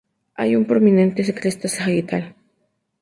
Hay una prominente cresta sagital.